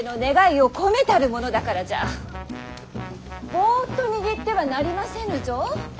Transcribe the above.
ぼっと握ってはなりませぬぞ。